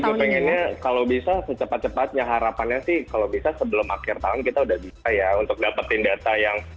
aku pengennya kalau bisa secepat cepatnya harapannya sih kalau bisa sebelum akhir tahun kita udah bisa ya untuk dapetin data yang